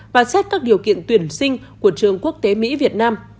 và xét các điều kiện tuyển sinh của trường quốc tế mỹ việt nam